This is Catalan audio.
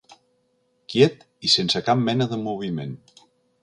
Quiet i sense cap mena de moviment.